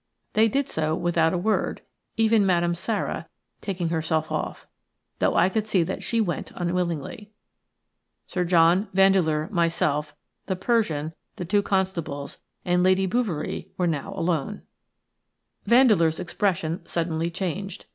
They did so without a word, even Madame Sara taking herself off, though I could see that she went unwillingly. Sir John, Vandeleur, myself, the Persian, the two constables, and Lady Bouverie were now alone. Vandeleur's expression suddenly changed.